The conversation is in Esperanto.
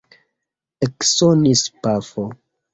Eksonis pafo.